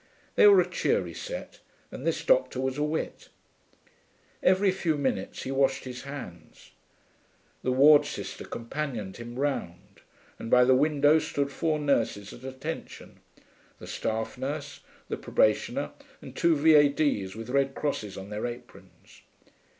They were a cheery set, and this doctor was a wit. Every few minutes he washed his hands. The wardsister companioned him round, and by the window stood four nurses at attention the staff nurse, the probationer, and two V.A.D.'s with red crosses on their aprons.